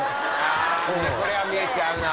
いやあこれは見えちゃうな。